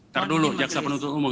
ntar dulu jaksa penuntut umum